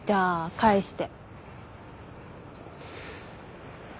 返して！